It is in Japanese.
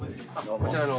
こちらの？